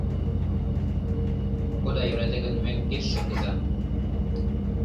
Ода йӧрате гын, мӧҥгеш шындыза!